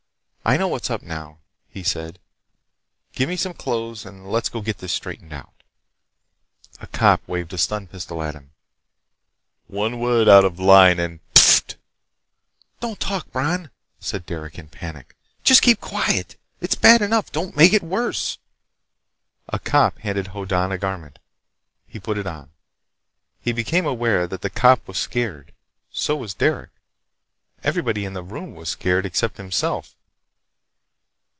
"I know what's up, now," he said. "Give me some clothes and let's go get this straightened out." A cop waved a stun pistol at him. "One word out of line, and—pfft!" "Don't talk, Bron!" said Derec in panic. "Just keep quiet! It's bad enough! Don't make it worse!" A cop handed Hoddan a garment. He put it on. He became aware that the cop was scared. So was Derec. Everybody in the room was scared except himself.